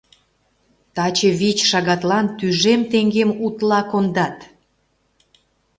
Таче вич шагатлан тӱжем теҥгем утла кондат.